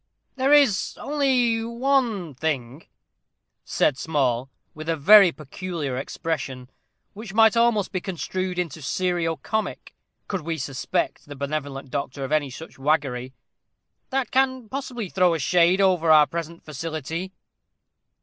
"There is only one thing," said Small, with a very peculiar expression, which might almost be construed into serio comic, could we suspect the benevolent doctor of any such waggery, "that can possibly throw a shade over our present felicity.